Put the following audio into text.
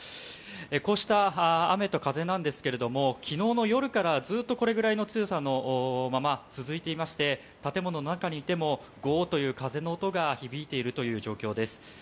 こうした雨と風なんですけれども、きのうの夜からずっとこれぐらいの強さのまま続いていまして、建物の中にいても、ゴという風の音が響いている状況です。